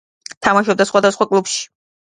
თამაშობდა სხვადასხვა კლუბში.